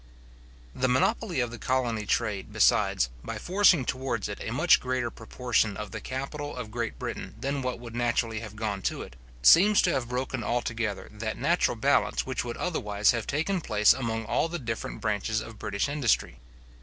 The monopoly of the colony trade, besides, by forcing towards it a much greater proportion of the capital of Great Britain than what would naturally have gone to it, seems to have broken altogether that natural balance which would otherwise have taken place among all the different branches of British industry.